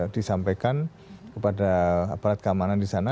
disampaikan kepada aparat keamanan di sana